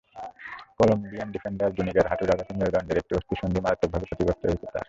Colombian defender জুনিগার হাঁটুর আঘাতে মেরুদণ্ডের একটি অস্থিসন্ধি মারাত্মকভাবে ক্ষতিগ্রস্ত হয়েছে তাঁর।